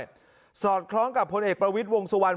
เปลี่ยนไปด้วยสอดคล้องกับผลเอกประวิทย์วงสวรรค์